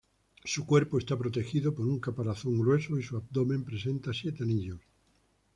Su cuerpo está protegido por un caparazón grueso y su abdomen presenta siete anillos.